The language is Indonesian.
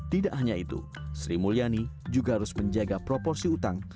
tidak hanya itu sri mulyani juga harus menjaga proporsi utang